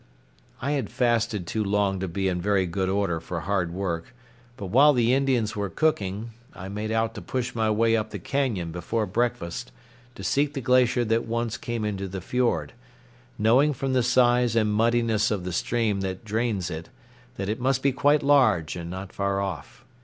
'" I had fasted too long to be in very good order for hard work, but while the Indians were cooking, I made out to push my way up the cañon before breakfast to seek the glacier that once came into the fiord, knowing from the size and muddiness of the stream that drains it that it must be quite large and not far off.